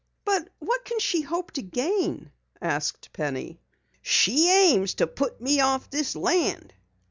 "But what can she hope to gain?" asked Penny. "She aims to put me off this land."